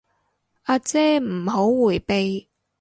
阿姐唔好迴避